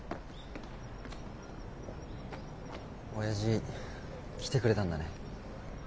親父来てくれたんだね。